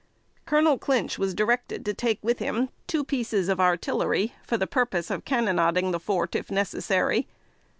Colonel Clinch was directed to take with him two pieces of artillery, for the purpose of cannonading the fort if necessary.